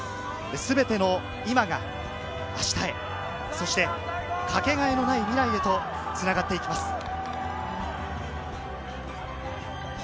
すべての今が明日へ、そしてかけがえのない未来へとつながっていきます。